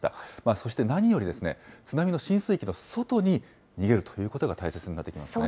そして何より、津波の浸水域の外に逃げるということが大切になってきますね。